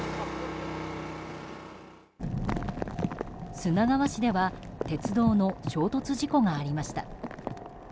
砂川市では鉄道の衝突事故がありました。